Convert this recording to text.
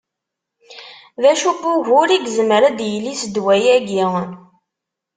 D acu n wugur i yezmer ad d-yili s ddwa-agi?